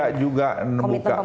enggak juga membuka tambang